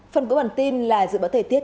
phần của bản tin là dự báo thể tiết